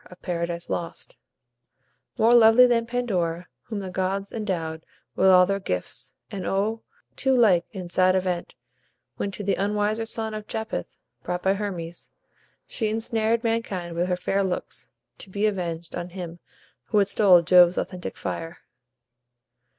of "Paradise Lost": "More lovely than Pandora, whom the gods Endowed with all their gifts; and O, too like In sad event, when to the unwiser son Of Japhet brought by Hermes, she insnared Mankind with her fair looks, to be avenged On him who had stole Jove's authentic fire."